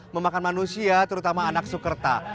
memakan manusia terutama anak sukerta